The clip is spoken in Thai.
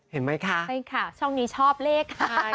เห็นมั้ยคะช่องนี้ชอบเลข